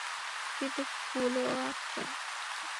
কিন্তু, ফুলওয়া কেন?